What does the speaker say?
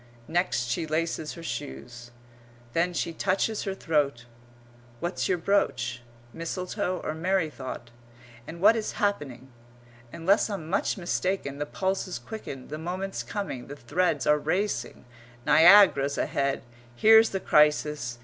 Next she laces her shoes. Then she touches her throat. What's your brooch? Mistletoe or merry thought? And what is happening? Unless I'm much mistaken, the pulse's quickened, the moment's coming, the threads are racing, Niagara's ahead. Here's the crisis!